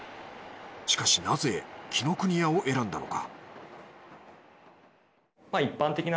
しかしなぜ紀ノ国屋を選んだのか？